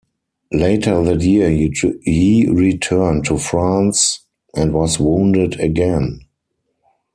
Later that year he returned to France and was wounded again.